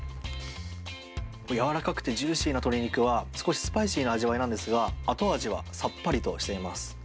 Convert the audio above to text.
柔らかくてジューシーな鶏肉は、少しスパイシーな味わいなんですが、後味はさっぱりとしています。